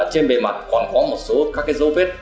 trên bề mặt còn có một số các dấu vết